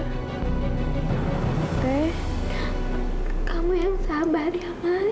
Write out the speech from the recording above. tete kamu yang sabar ya mai